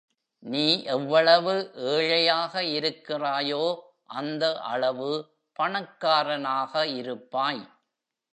நீ எவ்வளவு ஏழையாக இருக்கிறாயோ; அந்த அளவு பணக்காரனாக இருப்பாய் I!